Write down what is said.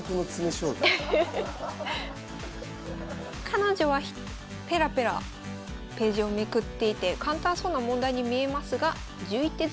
彼女はペラペラページをめくっていて簡単そうな問題に見えますが１１手詰の問題になります。